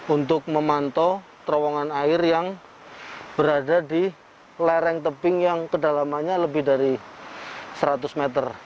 untuk memantau terowongan air yang berada di lereng tebing yang kedalamannya lebih dari seratus meter